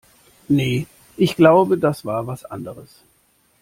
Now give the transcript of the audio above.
Nee, ich glaube, das war was anderes.